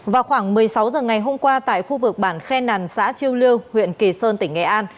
vào khoảng một mươi sáu h ngày hôm qua tại khu vực bản khe nàn xã chiêu lưu huyện kỳ sơn tỉnh nghệ an